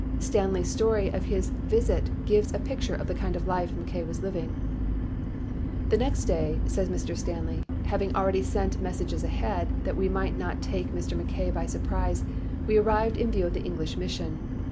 Stanley's story of his visit gives a picture of the kind of life Mackay was living. "The next day," says Mr. Stanley, "hav ing already sent messages ahead, that we might not take Mr. Mackay by surprise, we arrived in view of the English mission.